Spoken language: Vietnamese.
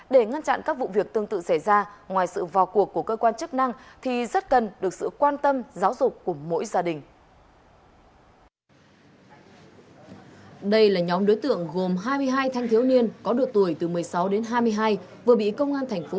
để ngăn chặn các vụ việc tương tự xảy ra ngoài sự vào cuộc của cơ quan chức năng